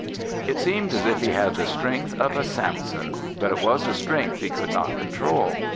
It seemed as if he had the strength of a Samson, but it was a strength he could not control.